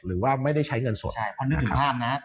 หรือว่าไม่ได้ใช้เงินสดใช่เพราะนึกถึงห้ามนะครับ